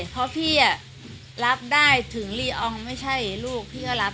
เพราะพี่อะรับได้ถึงลีอองไม่ใช่ลูก